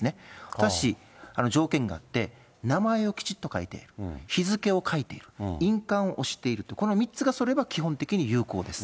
ただし条件があって、名前をきちっと書いて、日付を書いている、印鑑を押していると、この３つがそろえば基本的に有効です。